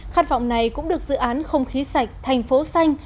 khát vọng này cũng được dự án không khí sạch thành phố xanh